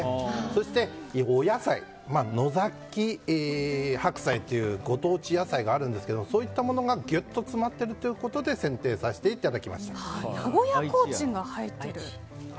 そして、お野菜野崎白菜っていうご当地野菜があるんですけどそういったものがぎゅっと詰まっているということで名古屋コーチンが入っていると。